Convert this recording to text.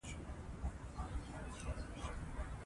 هغې وویل د سړو حوضونو لامبو محدود وخت لپاره خوندي دی.